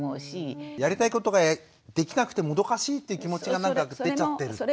やりたいことができなくてもどかしいって気持ちがなんか出ちゃってるという。